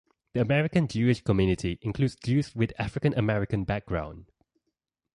The American Jewish community includes Jews with African American background.